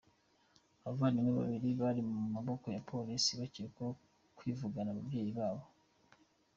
Abavandimwe babiri bari mu maboko ya Polisi bakekwaho kwivugana ababyeyi babo